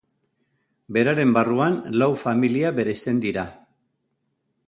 Beraren barruan lau familia bereizten dira.